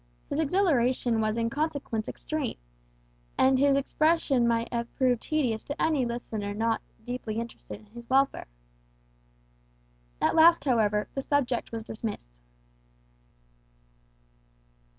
His exhilaration was in consequence extreme; and its expression might have proved tedious to any listener not deeply interested in his welfare. At last, however, the subject was dismissed.